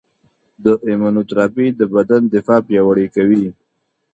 د ایمونوتراپي د بدن دفاع پیاوړې کوي.